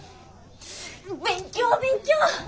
勉強勉強！